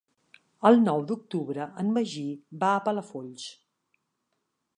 El nou d'octubre en Magí va a Palafolls.